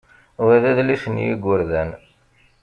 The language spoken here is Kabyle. Wa d adlis n yigerdan.